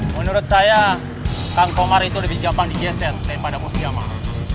menurut saya kang komar itu lebih gampang digeser daripada bus diaman